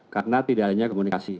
karena tidak hanya komunikasi